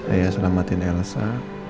ayah selamatin elsa